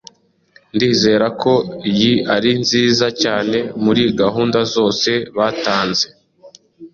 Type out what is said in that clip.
Ndizera ko iyi ari nziza cyane muri gahunda zose batanze.